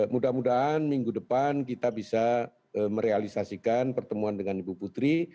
mudah mudahan minggu depan kita bisa merealisasikan pertemuan dengan ibu putri